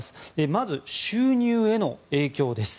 まず収入への影響です。